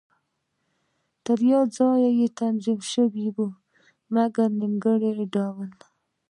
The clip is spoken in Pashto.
تر یوه ځایه تنظیم شوې وې، مګر په نیمګړي ډول.